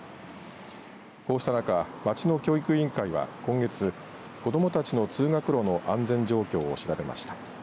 こうした中町の教育委員会は今月子どもたちの通学路の安全状況を調べました。